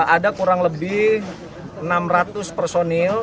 ada kurang lebih enam ratus personil